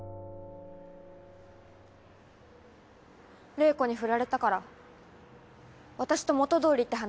怜子にフラれたから私と元どおりって話？